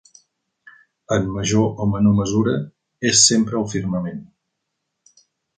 En major o menor mesura, és sempre al firmament.